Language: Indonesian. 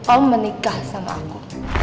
om menikah sama aku